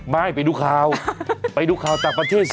ไม่ไปดูข่าวไปดูข่าวต่างประเทศสิ